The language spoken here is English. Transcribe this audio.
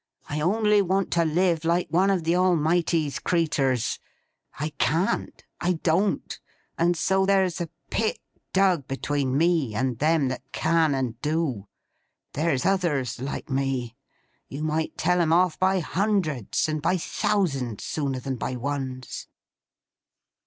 I only want to live like one of the Almighty's creeturs. I can't—I don't—and so there's a pit dug between me, and them that can and do. There's others like me. You might tell 'em off by hundreds and by thousands, sooner than by ones.